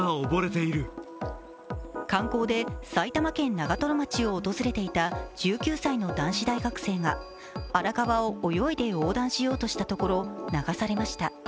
観光で埼玉県長瀞町を訪れていた１９歳の男子大学生が、荒川を泳いで横断しようとしたところ流されました。